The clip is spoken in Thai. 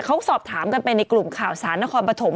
เขาสอบถามกันไปในกลุ่มข่าวสารนครปฐม